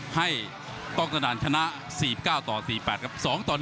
ให้ต้องทะดันชนะ๔๙ต่อ๔๘